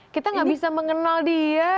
kita gak bisa mengenal dia